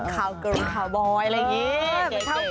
คาวเกอร์ลคาวบอยอะไรอย่างนี้